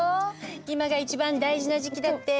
今が一番大事な時期だって。